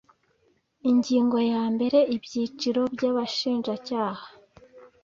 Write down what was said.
ingingo ya mbere ibyiciro by abashinjacyaha